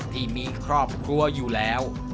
ที่มีครอบครัวอยู่แล้ว